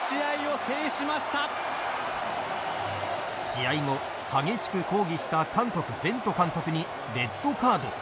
試合後、激しく抗議した韓国ベント監督にレッドカード。